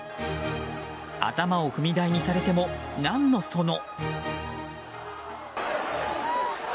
頭を踏み台にされても何のその。